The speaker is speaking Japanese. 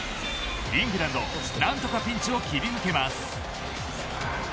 イングランド何とかピンチを切り抜けます。